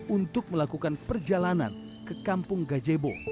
untuk melakukan perjalanan ke kampung gajebo